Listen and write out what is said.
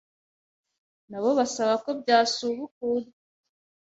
na bo basaba ko byasubukurwa